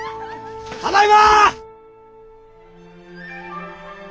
ただいま！